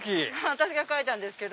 私が描いたんですけど。